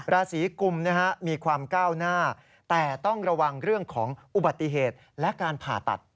ราศีกุมมีความก้าวหน้าแต่ต้องระวังเรื่องของอุบัติเหตุและการผ่าตัด